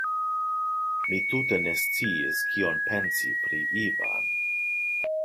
Mi tute ne sciis, kion pensi pri Ivan.